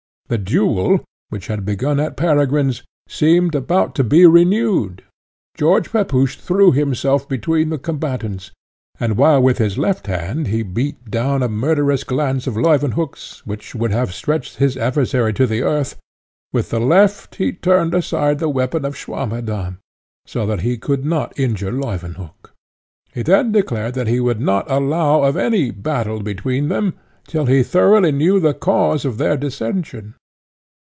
The duel, which had begun at Peregrine's, seemed about to be renewed. George Pepusch threw himself between the combatants, and while with his left hand he beat down a murderous glance of Leuwenhock's, which would have stretched his adversary to the earth, with the left he turned aside the weapon of Swammerdamm, so that he could not injure Leuwenhock. He then declared that he would not allow of any battle between them, till he thoroughly knew the cause of their dissension.